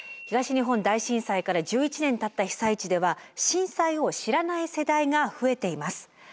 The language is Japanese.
東日本大震災から１１年たった被災地では震災を知らない世代が増えています。